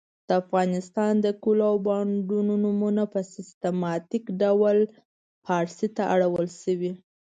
د افغانستان د کلو او بانډو نومونه په سیستماتیک ډول پاړسي ته اړول سوي .